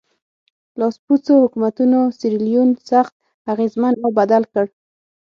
لاسپوڅو حکومتونو سیریلیون سخت اغېزمن او بدل کړ.